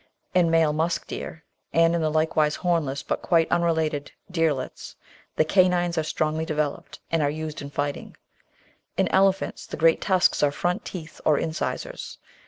In male Musk Deer, and in the like wise hornless but quite unrelated Deerlets, the canines are strongly developed and are used in fighting; in Elephants the great tusks are front teeth or incisors.